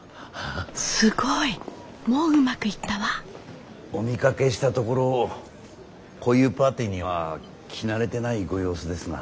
すごいもううまくいったわお見かけしたところこういうパーティーには来慣れてないご様子ですが。